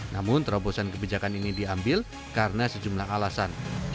namun terobosan kebijakan ini diambil karena sejumlah alasan